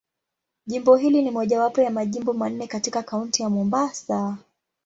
Jimbo hili ni mojawapo ya Majimbo manne katika Kaunti ya Mombasa.